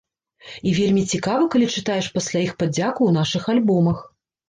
І вельмі цікава, калі чытаеш пасля іх падзяку ў нашых альбомах.